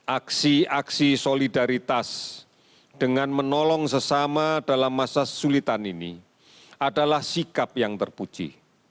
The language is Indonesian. aksi aksi solidaritas dengan menolong sesama dalam masa sulitan ini adalah sikap yang terpuji